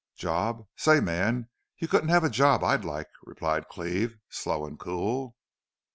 "'Job? Say, man, you couldn't have a job I'd like,' replied Cleve, slow an' cool.